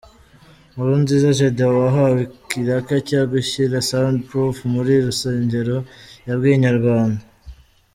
Nkurunziza Gedeon wahawe ikiraka cyo gushyira 'Sound proof' muri uru rusengero, yabwiye Inyarwanda.